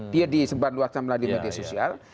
dia disebar luar semalam di media sosial